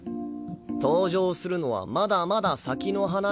登場するのはまだまだ先の話。